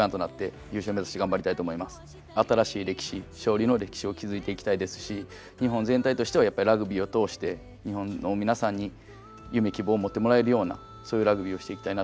新しい歴史勝利の歴史を築いていきたいですし日本全体としてはやっぱりラグビーを通して日本の皆さんに夢希望を持ってもらえるようなそういうラグビーをしていきたいなと。